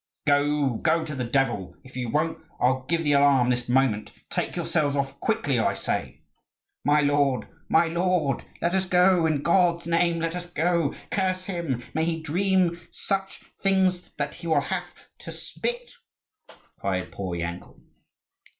"Go, go to the devil! If you won't, I'll give the alarm this moment. Take yourselves off quickly, I say!" "My lord, my lord, let us go! in God's name let us go! Curse him! May he dream such things that he will have to spit," cried poor Yankel.